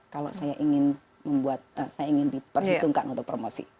kalau saya ingin membuat saya ingin diperhitungkan untuk promosi